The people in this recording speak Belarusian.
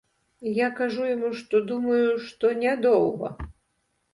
Я кажу яму, што думаю, што нядоўга.